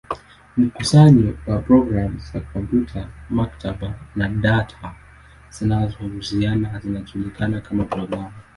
Mkusanyo wa programu za kompyuta, maktaba, na data zinazohusiana zinajulikana kama programu.